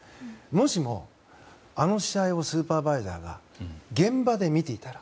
もしも、あの試合をスーパーバイザーが現場で見ていたら。